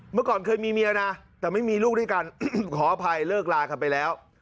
เมื่อก่อนเคยมีเมียนะแต่ไม่มีลูกด้วยกันขออภัยเลิกลากันไปแล้ว